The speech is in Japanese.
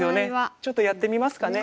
ちょっとやってみますかね。